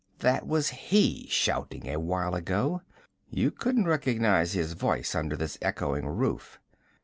That was he shouting a while ago. You couldn't recognize his voice, under this echoing roof.